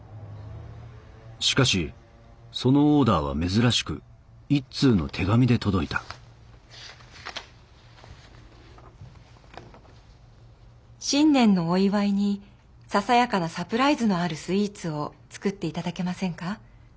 しかしそのオーダーは珍しく１通の手紙で届いた「新年のお祝いにささやかなサプライズのあるスイーツを作っていただけませんか？